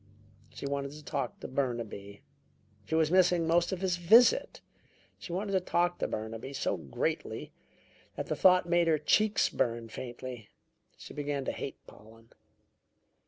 She wanted to talk to Burnaby. She was missing most of his visit. She wanted to talk to Burnaby so greatly that the thought made her cheeks burn faintly. She began to hate Pollen.